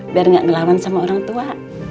biar gak ngelawan sama orang tua